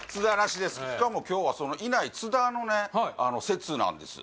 しかも今日はそのいない津田のね説なんです